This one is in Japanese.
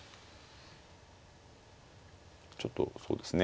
ちょっとそうですね